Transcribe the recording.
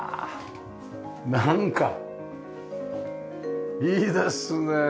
なんかいいですね。